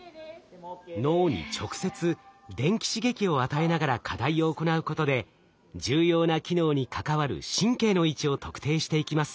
脳に直接電気刺激を与えながら課題を行うことで重要な機能に関わる神経の位置を特定していきます。